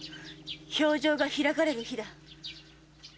評定が開かれる日だ。